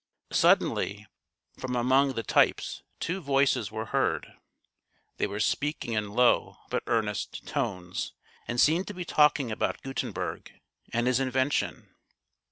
Suddenly, from among the t3^es two voices were heard. They were speaking in low but earnest tones, and seemed to be talking about Gutenberg and his invention.